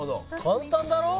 簡単だろ？